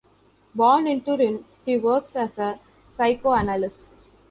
Born in Turin, he works as a psychoanalyst.